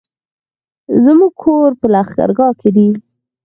زموږ کور په لښکرګاه کی دی